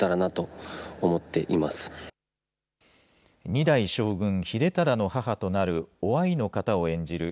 二代将軍秀忠の母となる於愛の方を演じる